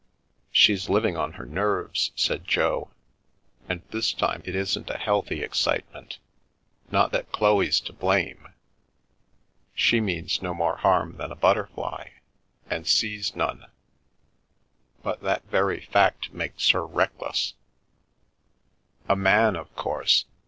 " She's living on her nerves," said Jo, " and this time it isn't a healthy excitement. Not that Chloe's to blame ; she means no more harm than a butterfly, and sees none, but that very fact makes her reckless." 108 We Increase and Multiply " A man, of course?